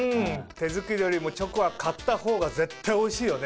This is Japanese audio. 手作りよりもチョコは買ったほうが絶対おいしいよね。